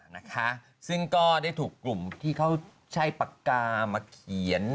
นะคะซึ่งก็ได้ถูกกลุ่มที่เขาใช้ปากกามาเขียน